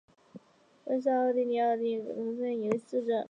温德灵是奥地利上奥地利州格里斯基尔兴县的一个市镇。